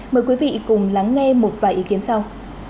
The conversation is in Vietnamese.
mời quý vị cùng lắng nghe một vài ý kiến sau